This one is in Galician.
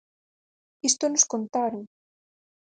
Isto nos contaron.